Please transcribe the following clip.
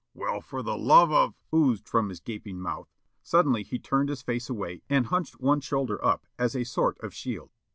"Well, for the love of " oozed from his gaping mouth. Suddenly he turned his face away and hunched one shoulder up as a sort of shield.